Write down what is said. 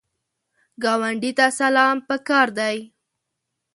ګاونډي ته سلام پکار دی